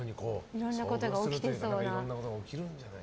いろいろなことが起きてそうな。